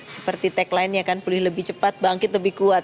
seperti tagline nya kan pulih lebih cepat bangkit lebih kuat